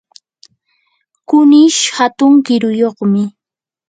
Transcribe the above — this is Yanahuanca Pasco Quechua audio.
kunish hatun kiruyuqmi.